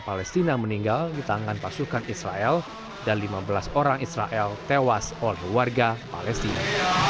palestina meninggal di tangan pasukan israel dan lima belas orang israel tewas oleh warga palestina